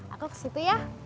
aku kesitu ya